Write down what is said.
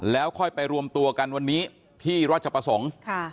แล้วค่อยไปรวมตัวกันวันนี้ที่ราชประสงค์